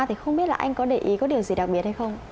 thì không biết là anh có để ý có điều gì đặc biệt hay không